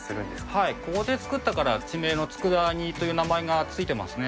はいここで作ったから地名の佃煮という名前がついてますね。